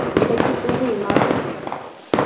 এটা কি তুমি, মা?